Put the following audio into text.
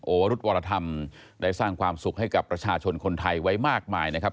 วรุธวรธรรมได้สร้างความสุขให้กับประชาชนคนไทยไว้มากมายนะครับ